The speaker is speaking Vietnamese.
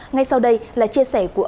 ngay sau đây là chia sẻ của ông